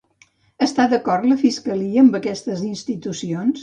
Està d'acord la fiscalia amb aquestes institucions?